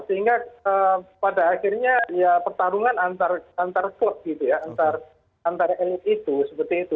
sehingga pada akhirnya ya pertarungan antar antar antar elit itu seperti itu